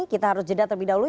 kita harus jeda terlebih dahulu